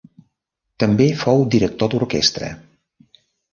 També fou director d'orquestra.